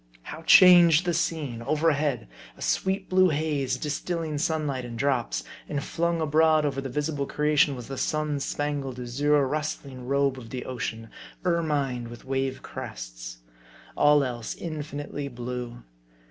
How changed the scene ! Overhead, a sweet blue haze, distilling sunlight in drops. And flung abroad over the visible creation was the sun spangled, azure, rustling robe of the ocean, ermined with wave crests ; all else, infinitely blue.